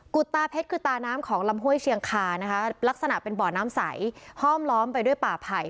ุตตาเพชรคือตาน้ำของลำห้วยเชียงคานะคะลักษณะเป็นบ่อน้ำใสห้อมล้อมไปด้วยป่าไผ่